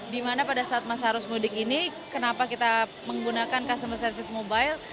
dimana pada saat masa harus mudik ini kenapa kita menggunakan customer service mobile